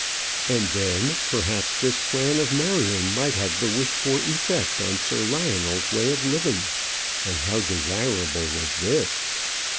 And then, perhaps, this plan of marrying might have the wished for effect on Sir Lionel's way of living; and how desirable was this!